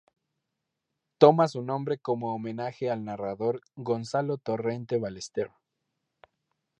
Toma su nombre como homenaje al narrador Gonzalo Torrente Ballester.